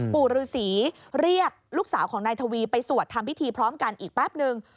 ปู่ฤษีเรียกลูกสาวของนายทวีไปสวดทำพิธีพร้อมกันอีกแป๊บนึง